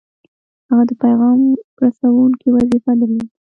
هغه د پیغام رسوونکي وظیفه درلوده.